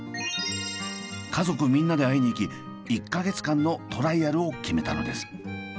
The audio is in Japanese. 家族みんなで会いに行き１か月間のトライアルを決めたのです。